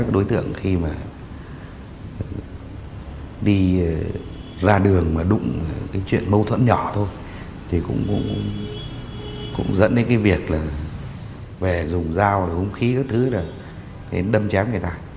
đối tượng khi mà đi ra đường mà đụng cái chuyện mâu thuẫn nhỏ thôi thì cũng dẫn đến cái việc là vẻ dùng dao húng khí các thứ là đến đâm chán người ta